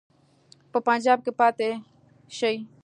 په پنجاب کې پاته شي.